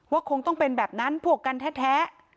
คงต้องเป็นแบบนั้นพวกกันแท้